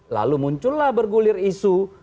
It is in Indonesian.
lalu muncullah bergulir isu